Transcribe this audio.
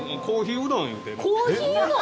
うん「コーヒーうどん」？